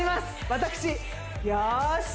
私よーし